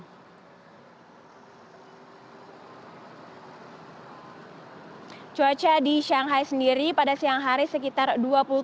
baik jadi cuaca di shanghai sendiri pada siang hari sekitar dua puluh tujuh derajat celcius